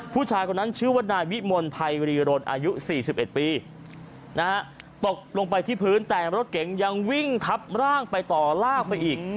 ผู้ชายคนนั้นชื่อว่านายวิมลภัยรีรนอายุ๔๑ปีตกลงไปที่พื้นแต่รถเก๋งยังวิ่งทับร่างไปต่อลากไปอีก